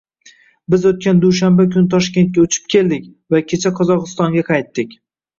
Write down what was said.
Biz o'tgan dushanba kuni Toshkentga uchib keldik va kecha Qozog'istonga qaytdik